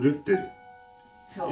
そう。